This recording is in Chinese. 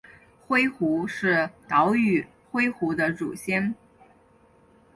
灰狐是岛屿灰狐的祖先。